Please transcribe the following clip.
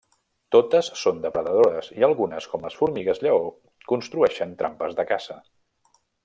Totes són depredadores i algunes, com les formigues lleó, construeixen trampes de caça.